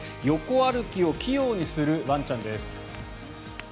横歩きを器用にするワンちゃんです。